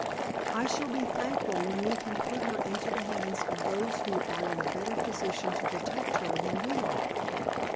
I shall be thankful when we can put her into the hands of those who are in a better position to protect her than we are."